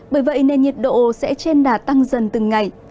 bởi vậy nền nhiệt độ sẽ trên đà tăng dần từng ngày